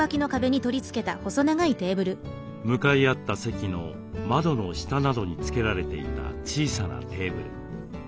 向かい合った席の窓の下などに付けられていた小さなテーブル。